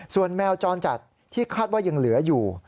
ส่วนแมวจรจัดที่คาดว่ายังเหลืออยู่